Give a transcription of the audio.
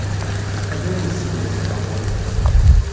Ad am-nesselmed taɣuri.